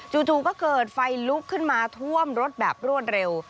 จู่ก็เกิดไฟลุกขึ้นมาท่วมรถแบบรวดเร็ว